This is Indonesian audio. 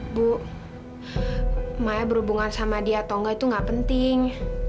bu maya berhubungan sama dia atau enggak itu gak penting